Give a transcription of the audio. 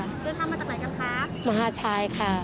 เพื่อนท่านมาจากไหนกันคะ